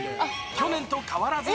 去年と変わらず。